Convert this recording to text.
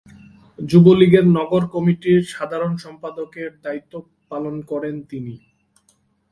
যুবলীগের নগর কমিটির সাধারণ সম্পাদকের দায়িত্ব পালন করেন তিনি।